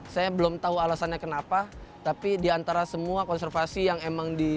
saya belum tahu alasannya kenapa itu tapi saya berpikir itu adalah penyuh yang paling penting untuk kita mempelajari di bstc ini